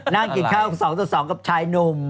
นั่งกินข้าว๒ต่อ๒กับชายหนุ่ม